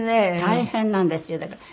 大変なんですよだから。